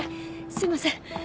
すいません。